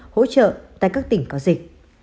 hỗ trợ tại các tỉnh có dịch